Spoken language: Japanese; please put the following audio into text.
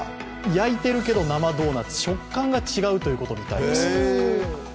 焼いてるけど生ドーナツ食感が違うということみたいです。